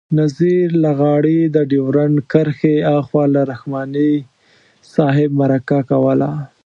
نذیر لغاري د ډیورنډ کرښې آخوا له رحماني صاحب مرکه کوله.